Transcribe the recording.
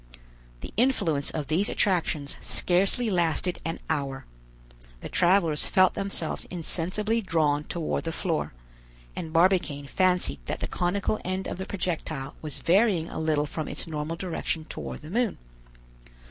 The influence of these attractions scarcely lasted an hour; the travelers felt themselves insensibly drawn toward the floor, and Barbicane fancied that the conical end of the projectile was varying a little from its normal direction toward the moon.